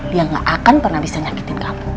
dia gak akan pernah bisa nyakitin kamu